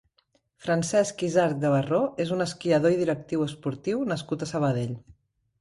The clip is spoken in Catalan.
Francesc Izard Gavarró és un esquiador i directiu esportiu nascut a Sabadell.